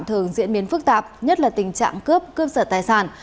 thường diễn biến phức tạp nhất là tình trạng cướp cướp sở tài sản